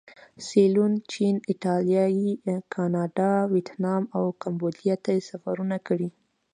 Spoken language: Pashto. سیلون، چین، ایټالیې، کاناډا، ویتنام او کمبودیا ته سفرونه کړي.